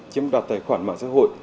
chiếm đặt tài khoản mạng xã hội